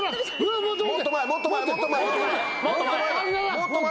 もっと前もっと前もっと前！